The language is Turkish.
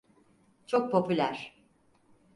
Çok popüler.